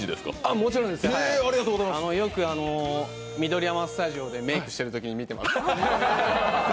もちろんです、よく緑山スタジオでメークしているときに見ています。